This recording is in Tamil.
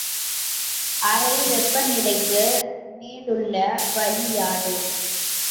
அறை வெப்பநிலைக்கு மேலுள்ள வளி யாது?